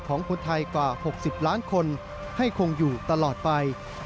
ของคนไทยกว่า๖๐ล้านคนให้คงอยู่ตลอดไป